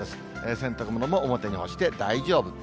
洗濯物も表に干して大丈夫。